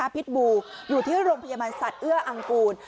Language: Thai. พิษบูอยู่ที่โรงพยาบาลสัตว์เอื้ออังกูล